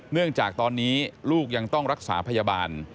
เนื่องจากตอนนี้ลูกยังต้องรักษาพยาบาล